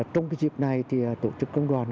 trong cái dịp này thì tổ chức công đoàn